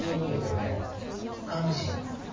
看護師？